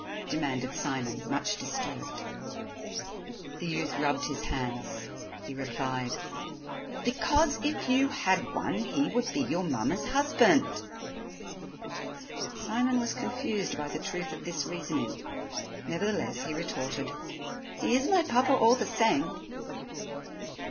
demanded Simon, much disturbed. The youth rubbed his hands. He replied: "Because if you had one he would be your mamma's husband." Simon was confused by the truth of this reasoning, nevertheless he retorted: "He is my Papa all the same."